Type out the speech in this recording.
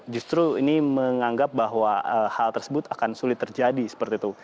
justru ini menganggap bahwa hal tersebut akan sulit terjadi seperti itu